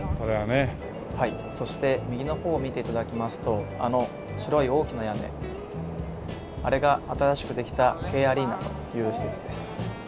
そして右の方を見て頂きますとあの白い大きな屋根あれが新しくできたＫアリーナという施設です。